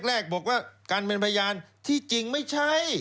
แรกบอกว่าการเป็นพยานที่จริงไม่ใช่